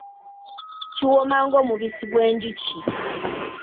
Kiwooma ng’omubisi gw’enjuki